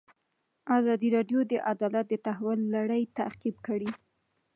ازادي راډیو د عدالت د تحول لړۍ تعقیب کړې.